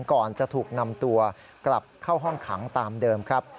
ก่อนจะถูกนำตัวกลับเข้าห้องขังตามเดิมครับ